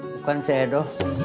bukan c edo